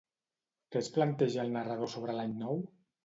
Què es planteja el narrador sobre l'any nou?